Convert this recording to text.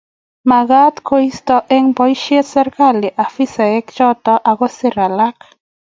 Magat koisto eng boisiet serkali afisaechoto akoser alak